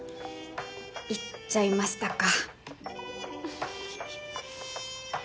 言っちゃいましたか。